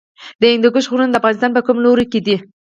د هندوکش غرونه د افغانستان په کوم لوري کې دي؟